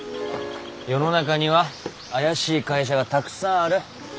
世の中には怪しい会社がたくさんある。